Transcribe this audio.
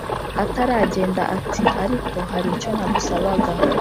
ataragenda ati"ariko haricyo nagusabaga